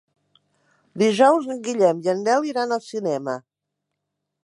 Dijous en Guillem i en Nel iran al cinema.